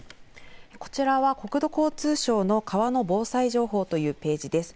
こちらは国土交通省の川の防災情報というページです。